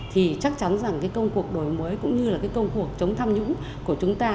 thì chắc chắn rằng cái công cuộc đổi mới cũng như là cái công cuộc chống tham nhũng của chúng ta